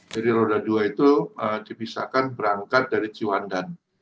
jadi roda dua itu dipisahkan berangkat dari ciwandan